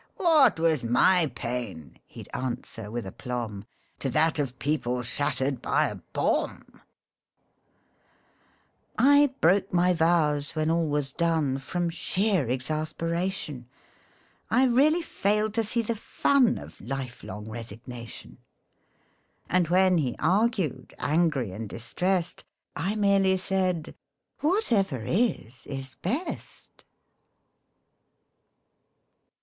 " What was my pain ?" he'd answer with aplomb, " To that of people shattered by a bomb !" I broke my vows, when all was done, From sheer exasperation. I really failed to see the fun Of lifelong resignation. And when he argued, angry and distrest, I merely said " Whatever is, is best."